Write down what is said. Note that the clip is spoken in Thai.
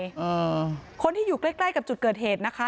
อ่าคนที่อยู่ใกล้ใกล้กับจุดเกิดเหตุนะคะ